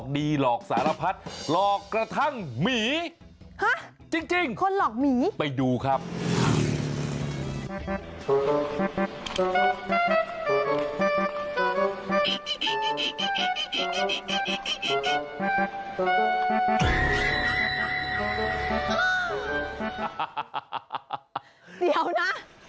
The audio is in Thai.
เดี๋ยวนะ